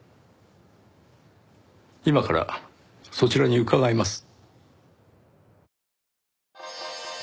今からそちらに伺います。